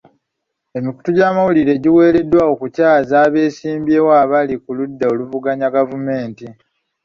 Emikutu gy'amawulire giwereddwa okukyaza abeesimbyewo abali ku ludda oluvuganya gavumenti.